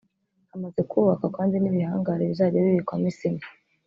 hamaze kubakwa kandi n’ibihangari bizajya bibikwamo isima